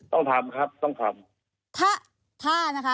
ต้องทำครับต้องทำ